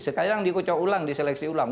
sekarang dikocok ulang diseleksi ulang